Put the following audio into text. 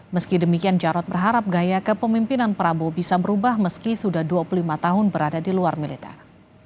meski demikian jarod berharap gaya kepemimpinan prabowo bisa berubah meski sudah dua puluh lima tahun berada di luar militer